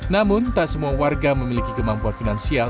namun tak semua warga memiliki kemampuan finansial